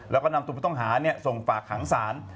แล้วก็นำตัวผู้ต้องหาส่งฝากขังศาล